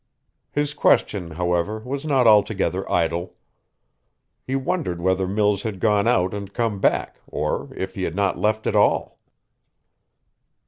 His question, however, was not altogether idle. He wondered whether Mills had gone out and come back, or if he had not left at all.